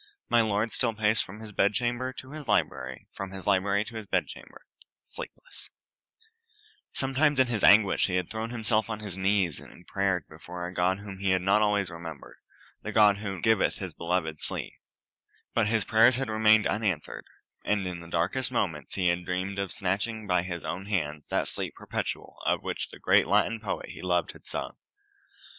My lord still paced from his bedchamber to his library, from his library to his bedchamber sleepless. [Illustration: A SUDDEN STRANGE NEW LIGHT WOULD SHINE OUT OF ITS PAGES] Sometimes in his anguish he had thrown himself on his knees in prayer before a God whom he had not always remembered the God who giveth His beloved sleep but his prayers had remained unanswered; and in his darkest moments he had dreamed of snatching by his own hands that sleep perpetual of which a great Latin poet he loved had sung.